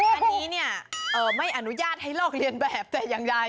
อันนี้ไม่อนุญาตให้ลอกเลียนแบบแต่อย่างไร